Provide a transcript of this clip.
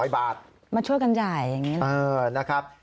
๑๙๐๐บาทมาช่วยกันจ่ายเออนะครับ